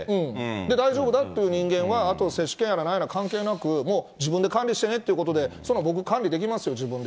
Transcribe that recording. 大丈夫だっていう人間は、あと接種券やら何やら関係なく、もう、自分で管理してねってことで、僕管理できますよ、自分で。